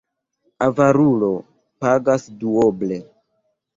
Avarulo pagas duoble.